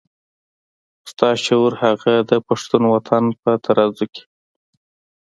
خو ستا شعور هغه د پښتون وطن په ترازو کې.